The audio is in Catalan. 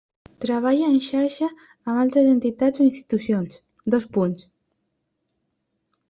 Treballa en xarxa amb altres entitats o institucions: dos punts.